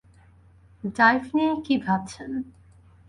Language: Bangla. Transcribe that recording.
ডাইভ নিয়ে কী ভাবছেন?